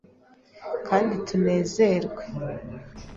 kandi tunezerwe. ”